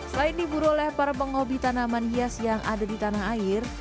selain diburu oleh para penghobi tanaman hias yang ada di tanah air